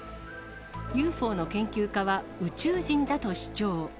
ＵＦＯの研究家は宇宙人だと主張。